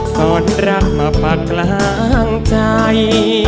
สอนรักมาปากกลางใจ